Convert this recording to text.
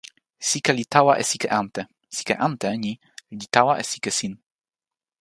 sike li tawa e sike ante. sike ante ni li tawa e sike sin.